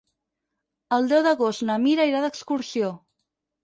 El deu d'agost na Mira irà d'excursió.